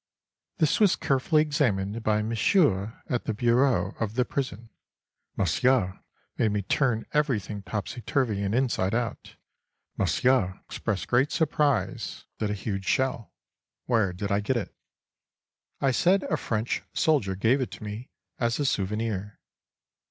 This was carefully examined by Monsieur at the bureau, of the prison. Monsieur made me turn everything topsy turvy and inside out. Monsieur expressed great surprise at a huge shell: where did I get it?—I said a French soldier gave it to me as a souvenir.